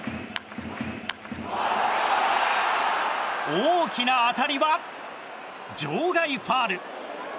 大きな当たりは場外ファウル。